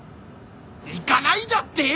行かないだって？